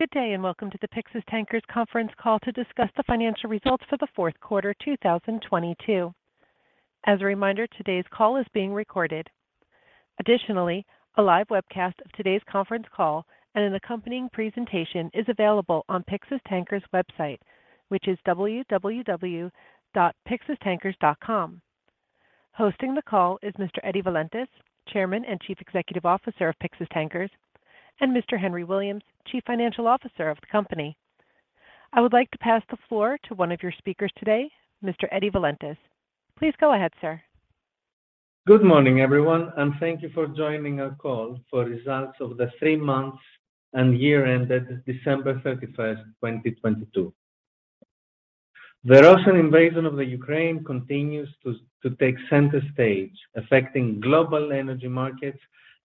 Good day, and welcome to the Pyxis Tankers conference call to discuss the financial results for the fourth quarter 2022. As a reminder, today's call is being recorded. Additionally, a live webcast of today's conference call and an accompanying presentation is available on Pyxis Tankers website, which is www.pyxistankers.com. Hosting the call is Mr. Eddie Valentis, Chairman and Chief Executive Officer of Pyxis Tankers, and Mr. Henry Williams, Chief Financial Officer of the company. I would like to pass the floor to one of your speakers today, Mr. Eddie Valentis. Please go ahead, sir. Good morning, everyone, and thank you for joining our call for results of the three months and year ended December 31, 2022. The Russian invasion of Ukraine continues to take center stage, affecting global energy markets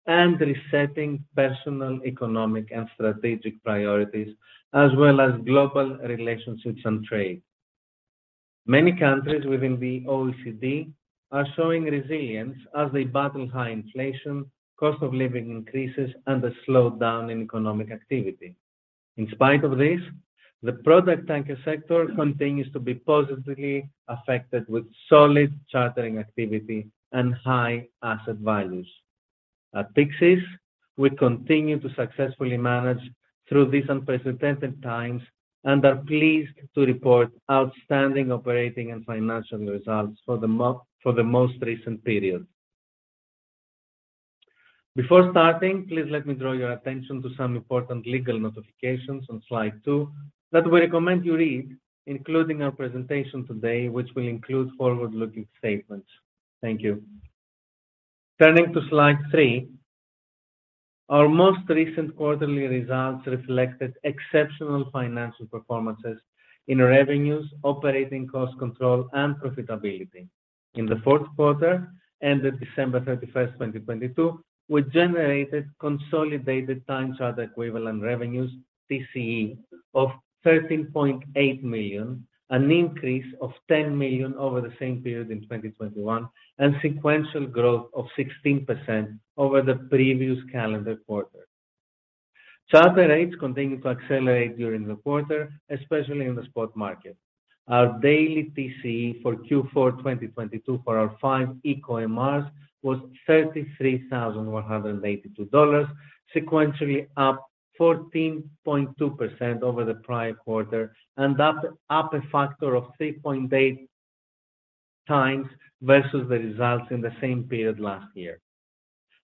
and resetting personal economic and strategic priorities, as well as global relationships and trade. Many countries within the OECD are showing resilience as they battle high inflation, cost of living increases, and a slowdown in economic activity. In spite of this, the product tanker sector continues to be positively affected with solid chartering activity and high asset values. At Pyxis, we continue to successfully manage through these unprecedented times and are pleased to report outstanding operating and financial results for the most recent period. Before starting, please let me draw your attention to some important legal notifications on Slide 2 that we recommend you read, including our presentation today, which will include forward-looking statements. Thank you. Turning to Slide 3, our most recent quarterly results reflected exceptional financial performances in revenues, operating cost control, and profitability. In the fourth quarter, ended December 31, 2022, we generated consolidated time charter equivalent revenues, TCE, of $13.8 million, an increase of $10 million over the same period in 2021, and sequential growth of 16% over the previous calendar quarter. Charter rates continued to accelerate during the quarter, especially in the spot market. Our daily TCE for Q4 2022 for our 5 Eco-MRs was $33,182, sequentially up 14.2% over the prior quarter and up a factor of 3.8 times versus the results in the same period last year.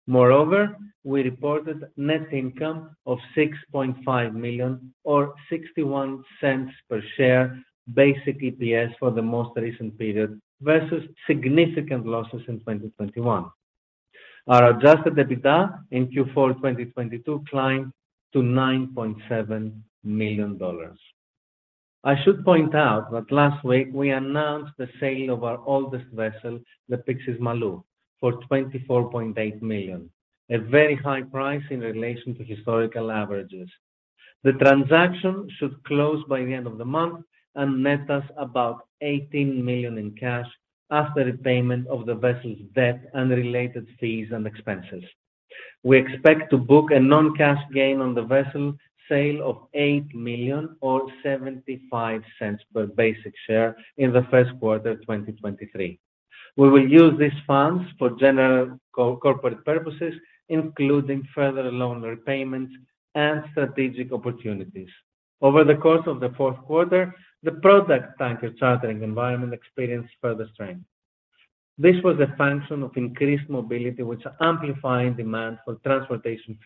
We reported net income of $6.5 million or $0.61 per share, basic EPS for the most recent period versus significant losses in 2021. Our Adjusted EBITDA in Q4 2022 climbed to $9.7 million. I should point out that last week we announced the sale of our oldest vessel, the Pyxis Malou, for $24.8 million, a very high price in relation to historical averages. The transaction should close by the end of the month and net us about $18 million in cash after repayment of the vessel's debt and related fees and expenses. We expect to book a non-cash gain on the vessel sale of $8 million or $0.75 per basic share in the first quarter 2023. We will use these funds for general corporate purposes, including further loan repayments and strategic opportunities. Over the course of the fourth quarter, the product tanker chartering environment experienced further strength. This was a function of increased mobility which amplified demand for transportation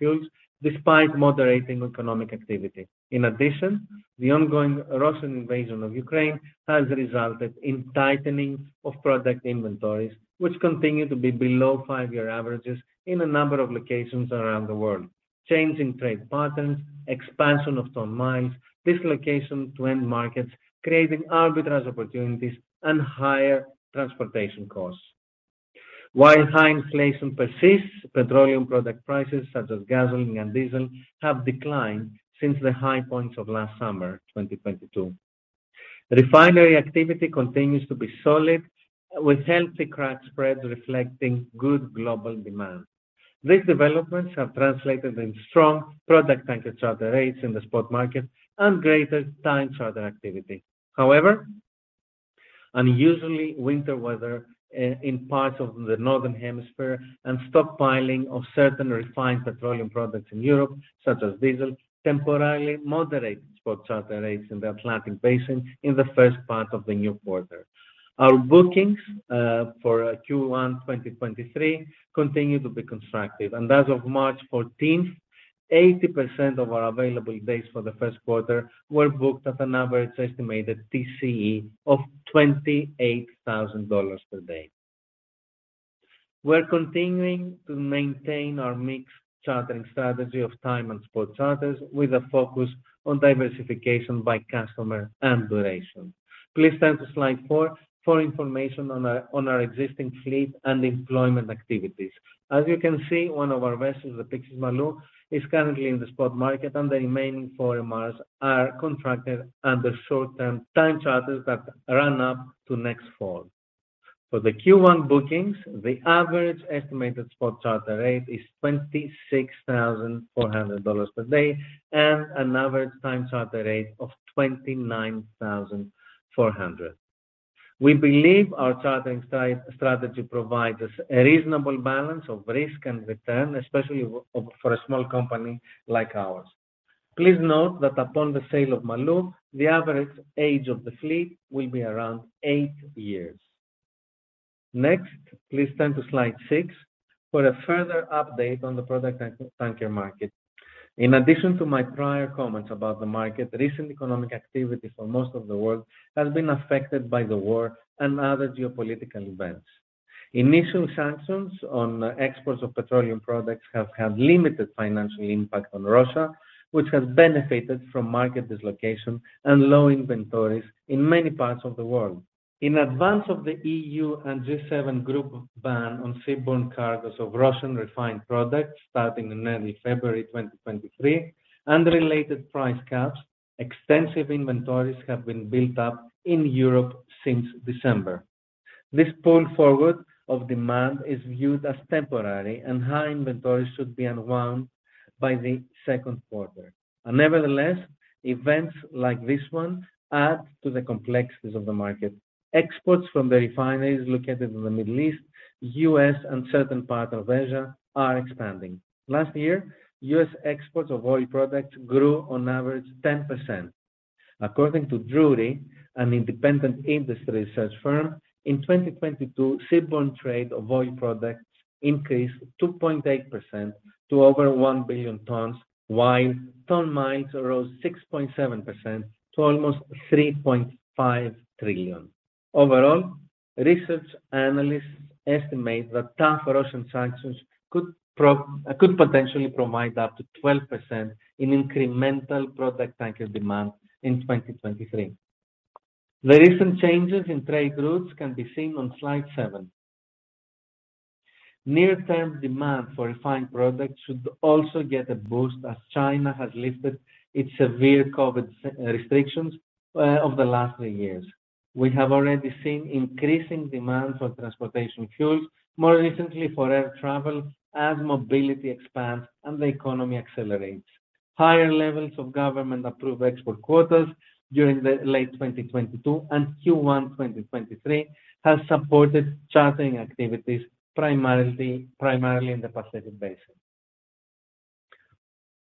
fuels despite moderating economic activity. The ongoing Russian invasion of Ukraine has resulted in tightening of product inventories, which continue to be below five-year averages in a number of locations around the world, changing trade patterns, expansion of some mines, dislocation to end markets, creating arbitrage opportunities and higher transportation costs. While high inflation persists, petroleum product prices such as gasoline and diesel have declined since the high points of last summer 2022. Refinery activity continues to be solid with healthy crack spreads reflecting good global demand. These developments have translated in strong product tanker charter rates in the spot market and greater time charter activity. Unusually winter weather in parts of the Northern Hemisphere and stockpiling of certain refined petroleum products in Europe, such as diesel, temporarily moderated spot charter rates in the Atlantic Basin in the first part of the new quarter. Our bookings for Q1 2023 continue to be constructive. As of March 14th, 80% of our available days for the first quarter were booked at an average estimated TCE of $28,000 per day. We're continuing to maintain our mixed chartering strategy of time and spot charters with a focus on diversification by customer and duration. Please turn to Slide 4 for information on our existing fleet and employment activities. As you can see, one of our vessels, the Pyxis Malou, is currently in the spot market and the remaining four MRs are contracted under short-term time charters that run up to next fall. For the Q1 bookings, the average estimated spot charter rate is $26,400 a day and an average time charter rate of $29,400. We believe our chartering strategy provides us a reasonable balance of risk and return, especially for a small company like ours. Please note that upon the sale of Pyxis Malou, the average age of the fleet will be around eight years. Next, please turn to Slide 6 for a further update on the product tanker market. In addition to my prior comments about the market, recent economic activity for most of the world has been affected by the war and other geopolitical events. Initial sanctions on exports of petroleum products have had limited financial impact on Russia, which has benefited from market dislocation and low inventories in many parts of the world. In advance of the EU and G7 group ban on seaborne cargoes of Russian refined products starting in early February 2023 and related price caps, extensive inventories have been built up in Europe since December. This pull forward of demand is viewed as temporary. High inventories should be unwound by the second quarter. Nevertheless, events like this one add to the complexities of the market. Exports from the refineries located in the Middle East, U.S., and certain parts of Asia are expanding. Last year, U.S. exports of oil products grew on average 10%. According to Drewry, an independent industry research firm, in 2022, seaborne trade of oil products increased 2.8% to over 1 billion tons, while ton-miles rose 6.7% to almost 3.5 trillion. Overall, research analysts estimate that tough Russian sanctions could potentially provide up to 12% in incremental product tanker demand in 2023. The recent changes in trade routes can be seen on Slide 7. Near-term demand for refined products should also get a boost as China has lifted its severe COVID restrictions of the last three years. We have already seen increasing demand for transportation fuels, more recently for air travel, as mobility expands and the economy accelerates. Higher levels of government-approved export quotas during the late 2022 and Q1 2023 has supported chartering activities primarily in the Pacific Basin.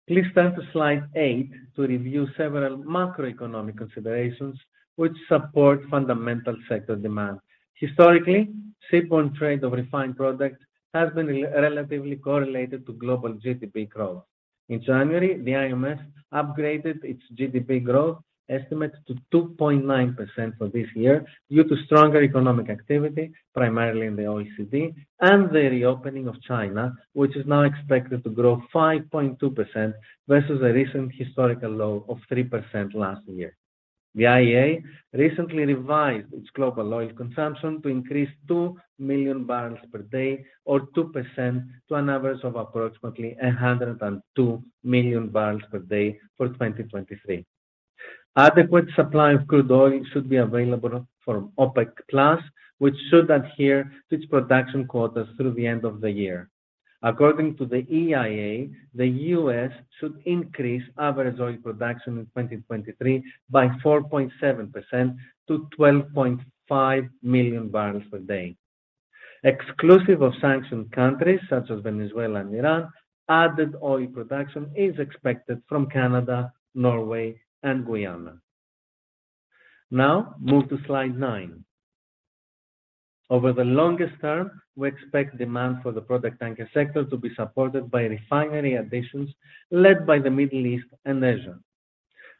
Please turn to Slide 8 to review several macroeconomic considerations which support fundamental sector demand. Historically, seaborne trade of refined products has been relatively correlated to global GDP growth. In January, the IMF upgraded its GDP growth estimates to 2.9% for this year due to stronger economic activity, primarily in the OECD and the reopening of China, which is now expected to grow 5.2% versus the recent historical low of 3% last year. The IEA recently revised its global oil consumption to increase 2 million barrels per day or 2% to an average of approximately 102 million barrels per day for 2023. Adequate supply of crude oil should be available from OPEC+, which should adhere to its production quotas through the end of the year. According to the EIA, the U.S. should increase average oil production in 2023 by 4.7% to 12.5 million barrels per day. Exclusive of sanctioned countries such as Venezuela and Iran, added oil production is expected from Canada, Norway, and Guyana. Move to slide nine. Over the longest term, we expect demand for the product tanker sector to be supported by refinery additions led by the Middle East and Asia.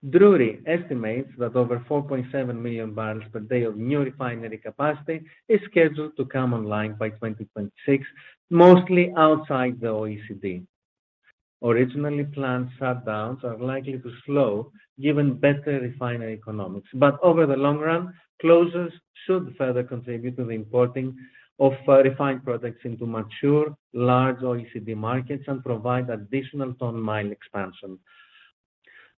Drewry estimates that over 4.7 million barrels per day of new refinery capacity is scheduled to come online by 2026, mostly outside the OECD. Originally planned shutdowns are likely to slow given better refinery economics, but over the long run, closures should further contribute to the importing of refined products into mature large OECD markets and provide additional ton-miles expansion.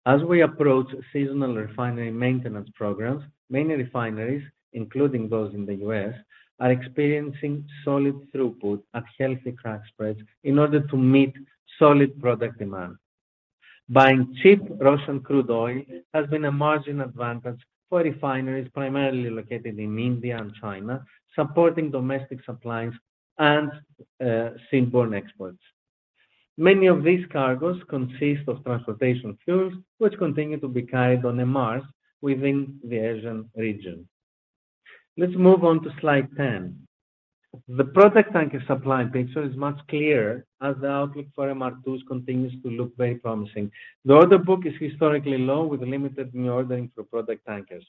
As we approach seasonal refinery maintenance programs, many refineries, including those in the U.S., are experiencing solid throughput at healthy crack spreads in order to meet solid product demand. Buying cheap Russian crude oil has been a margin advantage for refineries primarily located in India and China, supporting domestic supplies and seaborne exports. Many of these cargoes consist of transportation fuels which continue to be carried on MRs within the Asian region. Let's move on to Slide 10. The product tanker supply picture is much clearer as the outlook for MR2s continues to look very promising. The order book is historically low with limited new ordering for product tankers.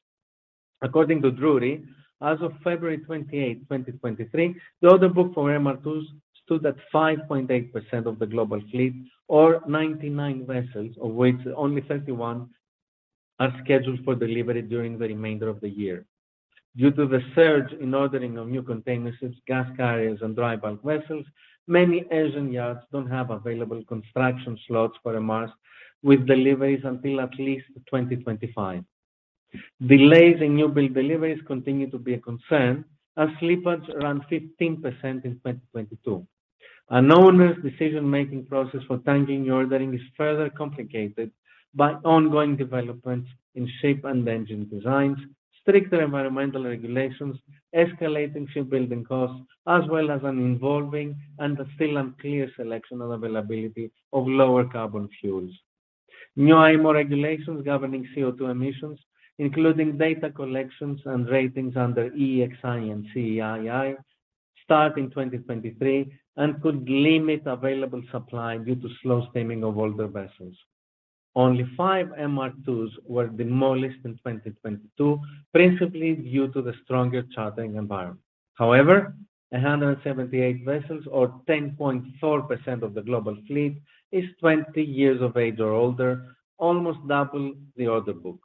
According to Drewry, as of February 28, 2023, the order book for MR2s stood at 5.8% of the global fleet or 99 vessels, of which only 31 are scheduled for delivery during the remainder of the year. Due to the surge in ordering of new container ships, gas carriers and dry bulk vessels, many Asian yards don't have available construction slots for MRs with deliveries until at least 2025. Delays in new build deliveries continue to be a concern as slippage around 15% in 2022. An owner's decision-making process for tankering ordering is further complicated by ongoing developments in ship and engine designs, stricter environmental regulations, escalating shipbuilding costs, as well as an involving and a still unclear selection and availability of lower carbon fuels. New IMO regulations governing CO₂ emissions, including data collections and ratings under EEXI and CII, start in 2023 and could limit available supply due to slow steaming of older vessels. Only 5 MR2s were demolished in 2022, principally due to the stronger chartering environment. However, 178 vessels, or 10.4% of the global fleet, is 20 years of age or older, almost double the order book.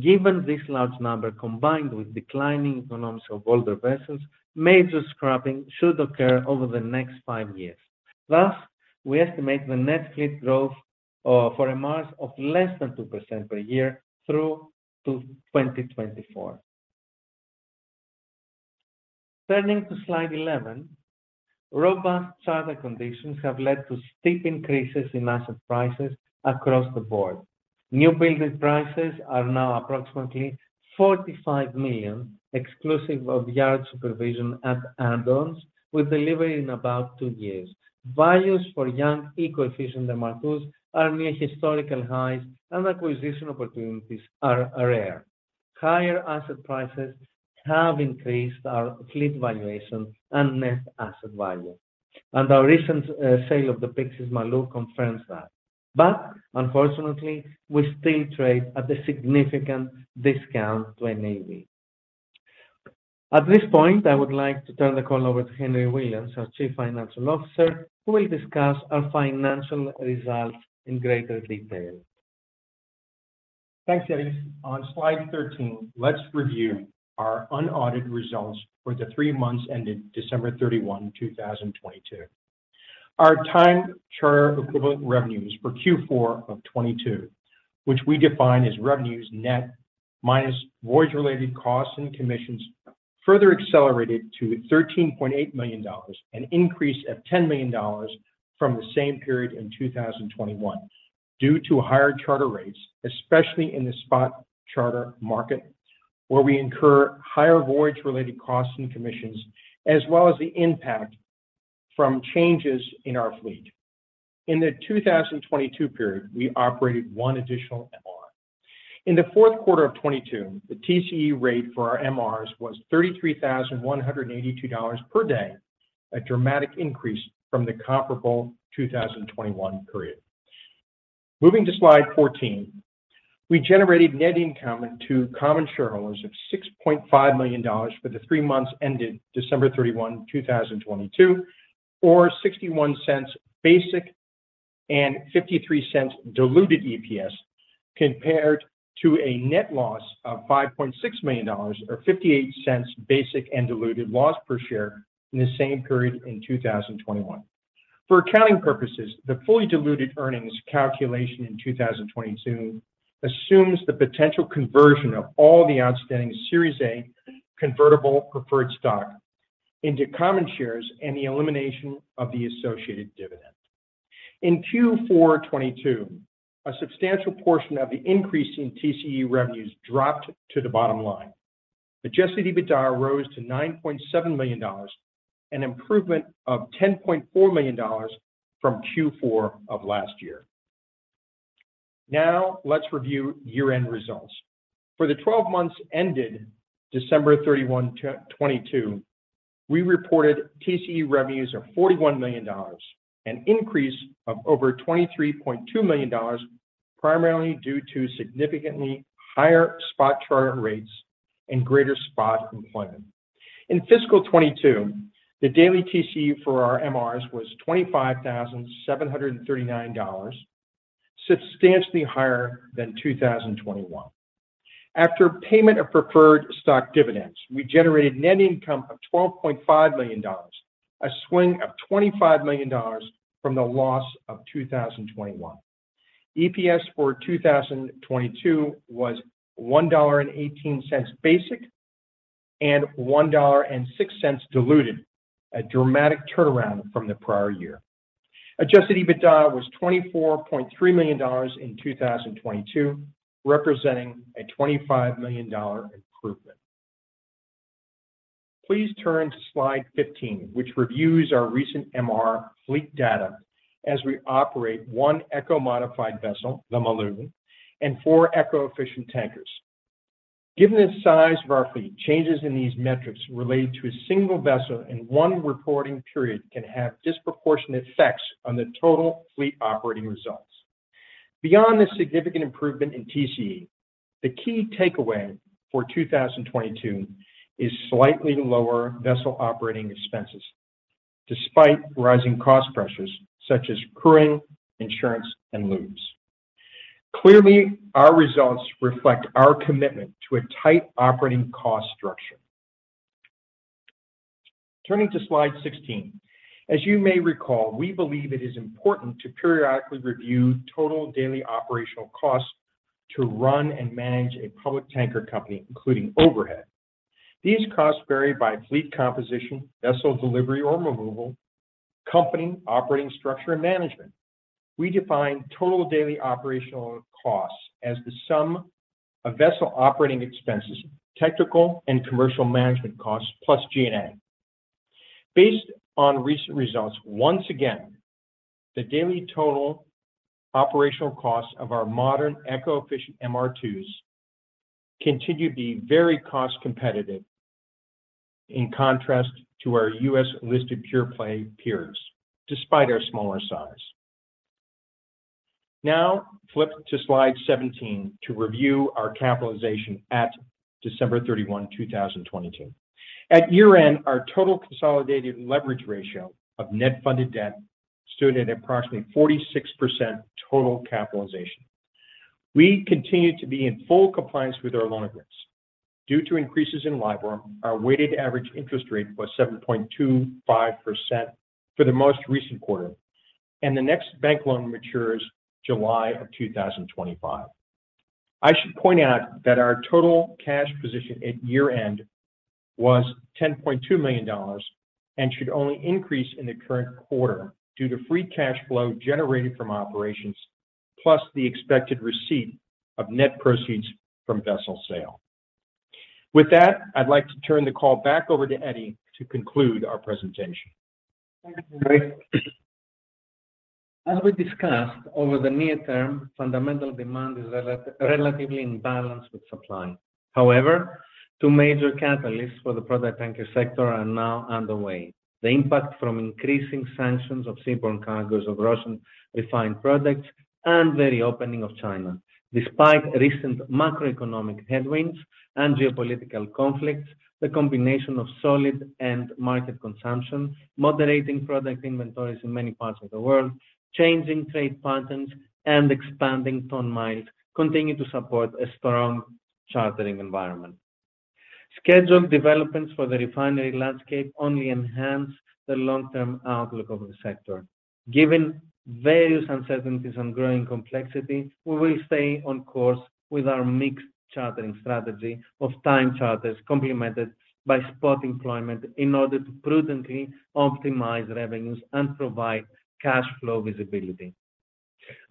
Given this large number, combined with declining economics of older vessels, major scrapping should occur over the next five years. We estimate the net fleet growth for MRs of less than 2% per year through to 2024. Turning to Slide 11, robust charter conditions have led to steep increases in asset prices across the board. Newbuilding prices are now approximately $45 million, exclusive of yard supervision and add-ons, with delivery in about two years. Values for young Eco-efficient MR2s are near historical highs and acquisition opportunities are rare. Higher asset prices have increased our fleet valuation and net asset value, and our recent sale of the Pyxis Malou confirms that. Unfortunately, we still trade at a significant discount to NAV. At this point, I would like to turn the call over to Henry Williams, our Chief Financial Officer, who will discuss our financial results in greater detail. Thanks, Valentis. On Slide 13, let's review our unaudited results for the three months ended December 31, 2022. Our time charter equivalent revenues for Q4 of 2022, which we define as revenues net minus voyage-related costs and commissions, further accelerated to $13.8 million, an increase of $10 million from the same period in 2021 due to higher charter rates, especially in the spot charter market, where we incur higher voyage-related costs and commissions, as well as the impact from changes in our fleet. In the 2022 period, we operated one additional MR. In the fourth quarter of 2022, the TCE rate for our MRs was $33,182 per day, a dramatic increase from the comparable 2021 period. Moving to Slide 14, we generated net income to common shareholders of $6.5 million for the three months ended December 31, 2022, or $0.61 basic and $0.53 diluted EPS, compared to a net loss of $5.6 million or $0.58 basic and diluted loss per share in the same period in 2021. For accounting purposes, the fully diluted earnings calculation in 2022 assumes the potential conversion of all the outstanding Series A convertible preferred stock into common shares and the elimination of the associated dividend. In Q4 2022, a substantial portion of the increase in TCE revenues dropped to the bottom line. Adjusted EBITDA rose to $9.7 million, an improvement of $10.4 million from Q4 of last year. Now, let's review year-end results. For the 12 months ended December 31, 2022, we reported TCE revenues of $41 million, an increase of over $23.2 million, primarily due to significantly higher spot charter rates and greater spot employment. In fiscal 2022, the daily TCE for our MRs was $25,739, substantially higher than 2021. After payment of preferred stock dividends, we generated net income of $12.5 million, a swing of $25 million from the loss of 2021. EPS for 2022 was $1.18 basic, and $1.06 diluted, a dramatic turnaround from the prior year. Adjusted EBITDA was $24.3 million in 2022, representing a $25 million improvement. Please turn to Slide 15, which reviews our recent MR fleet data as we operate one Eco-Modified vessel, the Malou, and four eco-efficient tankers. Given the size of our fleet, changes in these metrics related to a single vessel in one reporting period can have disproportionate effects on the total fleet operating results. Beyond the significant improvement in TCE, the key takeaway for 2022 is slightly lower vessel operating expenses, despite rising cost pressures such as crewing, insurance, and lubes. Clearly, our results reflect our commitment to a tight operating cost structure. Turning to Slide 16, as you may recall, we believe it is important to periodically review total daily operational costs to run and manage a public tanker company, including overhead. These costs vary by fleet composition, vessel delivery or removal, company operating structure and management. We define total daily operational costs as the sum of vessel operating expenses, technical and commercial management costs, plus G&A. Based on recent results, once again, the daily total operational costs of our modern eco-efficient MR2s continue to be very cost competitive in contrast to our U.S.-listed pure-play peers, despite our smaller size. Flip to Slide 17 to review our capitalization at December 31, 2022. At year-end, our total consolidated leverage ratio of net funded debt stood at approximately 46% total capitalization. We continue to be in full compliance with our loan agreements. Due to increases in LIBOR, our weighted average interest rate was 7.25% for the most recent quarter, and the next bank loan matures July of 2025. I should point out that our total cash position at year-end was $10.2 million and should only increase in the current quarter due to free cash flow generated from operations, plus the expected receipt of net proceeds from vessel sale. With that, I'd like to turn the call back over to Eddie to conclude our presentation. Thank you, Henry. As we discussed over the near term, fundamental demand is relatively in balance with supply. Two major catalysts for the product tanker sector are now underway. The impact from increasing sanctions of seaborne cargoes of Russian refined products and the reopening of China. Despite recent macroeconomic headwinds and geopolitical conflicts, the combination of solid end market consumption, moderating product inventories in many parts of the world, changing trade patterns, and expanding ton-miles continue to support a strong chartering environment. Scheduled developments for the refinery landscape only enhance the long-term outlook of the sector. Given various uncertainties and growing complexity, we will stay on course with our mixed chartering strategy of time charters complemented by spot employment in order to prudently optimize revenues and provide cash flow visibility.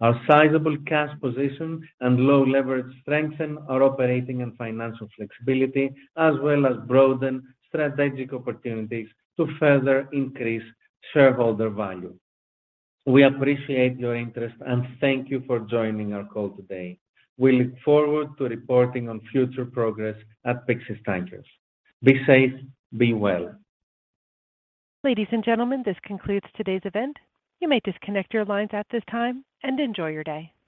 Our sizable cash position and low leverage strengthen our operating and financial flexibility as well as broaden strategic opportunities to further increase shareholder value. We appreciate your interest and thank you for joining our call today. We look forward to reporting on future progress at Pyxis Tankers. Be safe, be well. Ladies and gentlemen, this concludes today's event. You may disconnect your lines at this time. Enjoy your day.